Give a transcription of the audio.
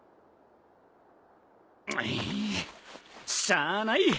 いしゃあない！